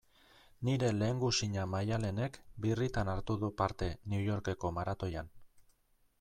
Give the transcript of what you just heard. Nire lehengusina Maialenek birritan hartu du parte New Yorkeko maratoian.